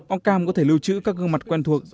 orcam có thể lưu trữ các gương mặt quen thuộc